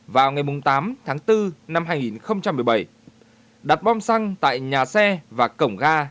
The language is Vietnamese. vào ngày tám tháng bốn năm hai nghìn một mươi bảy đặt bom xăng tại nhà xe và cổng ga